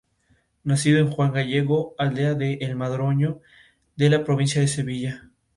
En los últimos años este evento se ha comercializado.